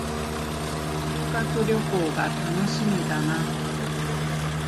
修学旅行が楽しみだな